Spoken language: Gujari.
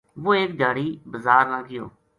وہ ایک دھیاڑی بزار نا گیو